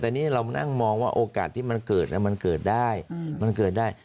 แต่นี่เรานั่งมองว่าโอกาสที่มันเกิดแล้วมันเกิดได้มันเกิดได้